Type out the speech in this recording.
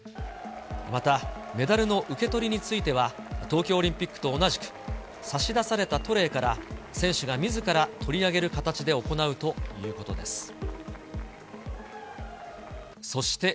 また、メダルの受け取りについては、東京オリンピックと同じく、差し出されたトレーから選手がみずから取り上げる形で行うということです。